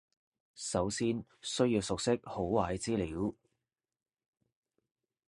首先需要熟悉好壞資料